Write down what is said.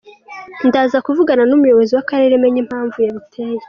Ndaza kuvugana n’umuyobozi w’Akarere menye impamvu yabiteye.